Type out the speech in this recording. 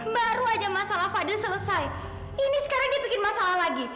baru aja masalah fadil selesai ini sekarang dia bikin masalah lagi